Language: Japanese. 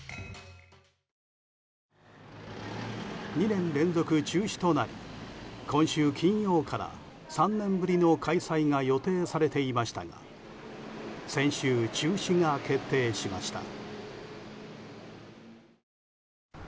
２年連続中止となり今週金曜から３年ぶりの開催が予定されていましたが先週、中止が決定しました。